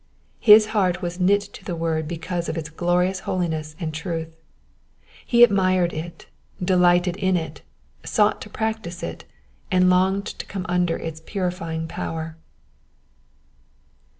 His heart was knit to the word because of its glorious holiness and truth. He admired it, delighted in it, sought to practise it, and longed to come ilnder its purifying power.